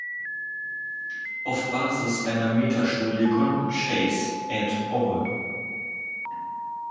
Auf Basis einer Metastudie konnten Chase et al.